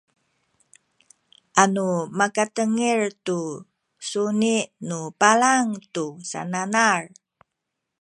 anu makatengil tu suni nu palang tu sananal